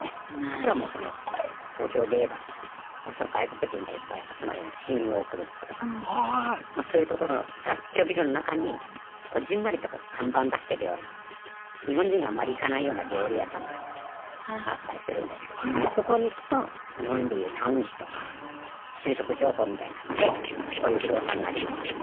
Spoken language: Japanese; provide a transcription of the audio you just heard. あとはもうその東京でいえば外国人がいっぱい集まるような新大久保とかまそういうところの雑居ビルの中にこぢんまりと看板出してるような日本人があんまり行かないような料理屋さんがあったりするんですけどそこに行くと日本でいうタウン誌とか就職情報みたいなのでこういう不動産がありますよ